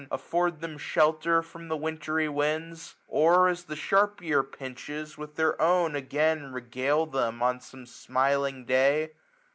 Afford them shelter from the wintry winds? Or,^ as the sharp year pinches, with their own i66 AUTUMN. Again regale them on some smiling day